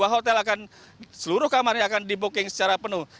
dua hotel akan seluruh kamarnya akan diboking secara penuh